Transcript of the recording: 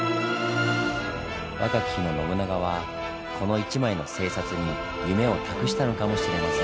若き日の信長はこの一枚の制札に夢を託したのかもしれません。